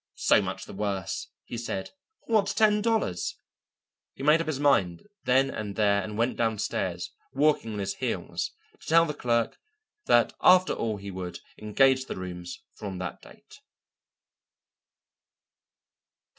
"So much the worse," he said. "What's ten dollars?" He made up his mind then and there and went downstairs, walking on his heels, to tell the clerk that after all he would engage the rooms from that date.